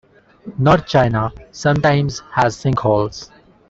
North China sometimes has sinkholes.